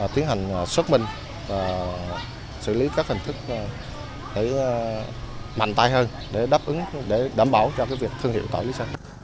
tiến hành xuất minh xử lý các hành thức mạnh tay hơn để đảm bảo cho việc thương hiệu tỏi lý sơn